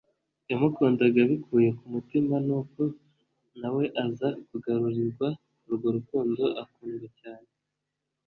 yamukundaga abikuye ku mutima, nuko na we aza kugarurirwa urwo rukundo, akundwa cyane.